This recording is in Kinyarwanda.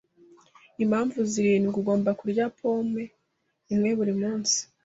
Impamvu zirindwi ugomba kurya pome imwe buri munsi